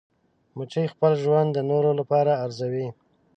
مچمچۍ خپل ژوند د نورو لپاره ارزوي